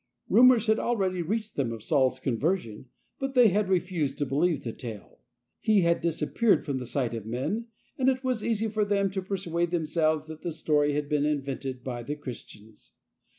Rumours had already reached them of Saul's conversion, but they had refused to believe the tale. He had disappeared from the sight of men, and it was easy for them to persuade themselves that the story had been invented by the Christians.